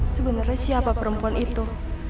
sebenernya siapa perempuan itu